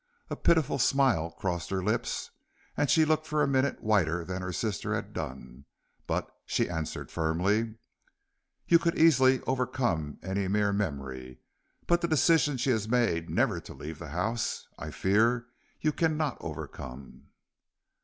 A pitiful smile crossed her lips, and she looked for a minute whiter than her sister had done, but she answered firmly: "You could easily overcome any mere memory, but the decision she has made never to leave the house, I fear you cannot overcome."